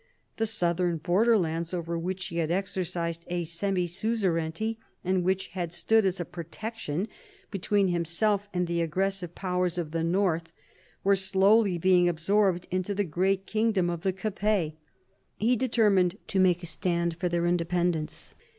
The southern border lands, over which he had exercised a semi suzerainty, and which had stood as a protection between himself and the aggressive powers of the north, were slowly being absorbed into the great kingdom of the Capets. He determined to make a stand for their independence.